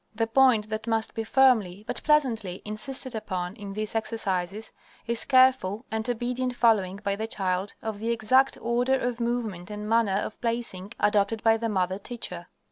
The point that must be firmly, but pleasantly, insisted upon in these exercises is careful and obedient following by the child of the exact order of movement and manner of placing adopted by the mother teacher.